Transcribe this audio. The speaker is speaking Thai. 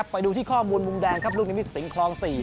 ไปดูที่ข้อมูลมุมแดงครับลูกนิมิตสิงคลอง๔